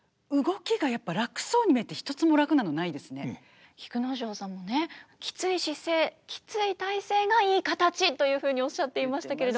ただ動きが菊之丞さんもねきつい姿勢きつい体勢がいい形というふうにおっしゃっていましたけれども。